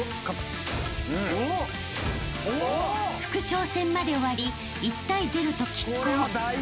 ［副将戦まで終わり１対０と拮抗］